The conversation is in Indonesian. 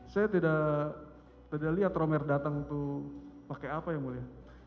saya tidak lihat romel datang tuh pakai apa ya mulia